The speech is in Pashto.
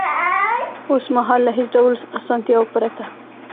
اوس مهال له هېڅ ډول اسانتیاوو پرته